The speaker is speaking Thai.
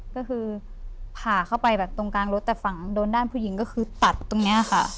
ก็คือผ่าเข้าไปโดนกลางรถโดนหลังพวกหญิงก็คือตัดตรงนี้อะค่ะ